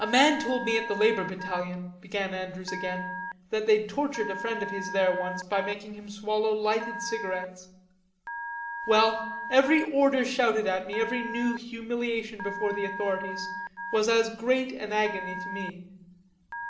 "A man told me at the labor battalion," began Andrews again, "that they'd tortured a friend of his there once by making him swallow lighted cigarettes; well, every order shouted at me, every new humiliation before the authorities, was as great an agony to me.